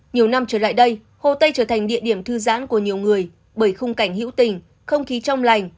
nhiều năm trở lại đây hồ tây trở thành địa điểm thư giãn của nhiều người bởi khung cảnh hữu tình không khí trong lành